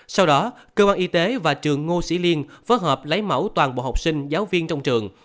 sau đó cơ quan y tế và trường ngô sĩ liên phối hợp lấy mẫu toàn bộ học sinh giáo viên trong trường